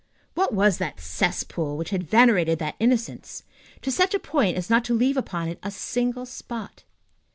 What was that cesspool which had venerated that innocence to such a point as not to leave upon it a single spot?